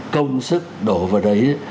công sức đổ vào đấy